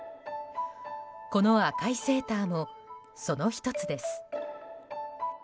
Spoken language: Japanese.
この赤いセーターもその１つです。